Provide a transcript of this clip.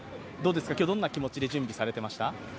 今日、どんな気持ちで準備されてました？